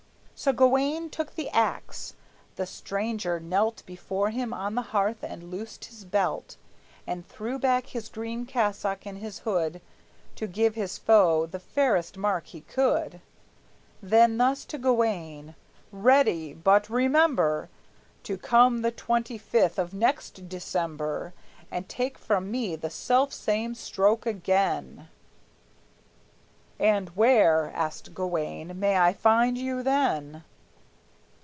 So Gawayne took the axe. The stranger knelt Before him on the hearth and loosed his belt, And threw back his green cassock and his hood, To give his foe the fairest mark he could. Then thus to Gawayne: "Ready! But remember To come the twenty fifth of next December, And take from me the self same stroke again!" "And where," asked Gawayne, "may I find you then?"